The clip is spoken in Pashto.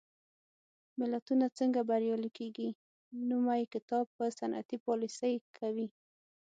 ملتونه څنګه بریالي کېږي؟ نومي کتاب په صنعتي پالېسۍ کوي.